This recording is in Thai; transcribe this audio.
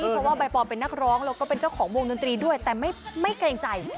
เพราะว่าใบปอลเป็นนักร้องแล้วก็เป็นเจ้าของวงดนตรีด้วยแต่ไม่เกรงใจ